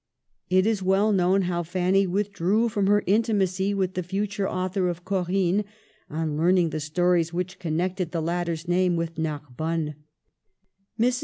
It is well known how Fanny withdrew from her intimacy with the future author of Corinne on learning the stories which connected the latter's name with Narbonne. Mrs.